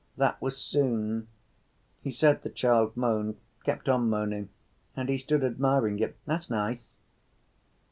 That was 'soon'! He said the child moaned, kept on moaning and he stood admiring it. That's nice!"